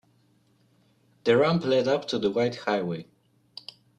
The ramp led up to the wide highway.